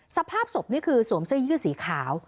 สภาพศพนี่คือสวมเสื้อยืดสีขาว